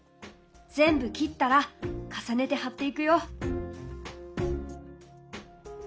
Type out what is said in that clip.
全部切ったら重ねて貼っていくよ。